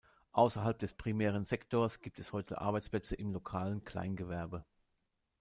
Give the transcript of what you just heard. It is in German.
Ausserhalb des primären Sektors gibt es heute Arbeitsplätze im lokalen Kleingewerbe.